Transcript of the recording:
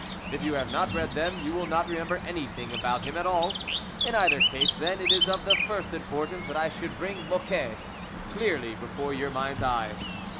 If you have not read them, you will not remember anything about him at all. In either case, then, it is of the first im portance that I should bring Mocquet clearly before your mind's eye.